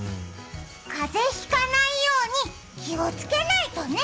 風邪引かないように気をつけないとね。